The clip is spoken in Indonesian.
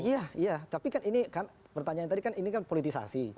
iya iya tapi kan ini kan pertanyaan tadi kan ini kan politisasi